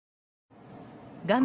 画面